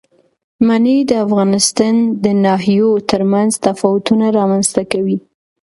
منی د افغانستان د ناحیو ترمنځ تفاوتونه رامنځ ته کوي.